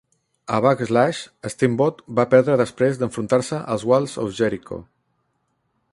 A Backlash, Steamboat va perdre després d'enfrontar-se als Walls of Jericho.